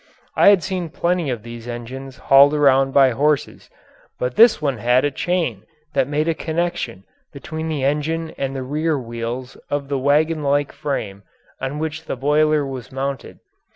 I had seen plenty of these engines hauled around by horses, but this one had a chain that made a connection between the engine and the rear wheels of the wagon like frame on which the boiler was mounted.